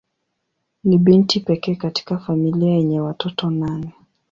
Ni binti pekee katika familia yenye watoto nane.